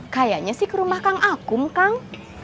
kayaknya sih ke rumah kang akum kang